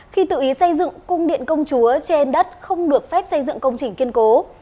khi tự ý xây dựng cung điện công chúa trên đất không được phép xây dựng công trình kiên cố